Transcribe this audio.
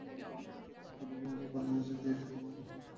বঁটিতে নিজের গলা নিজে কেটে তিনি আত্মহত্যা করেছেন বলেই তাঁদের ধারণা।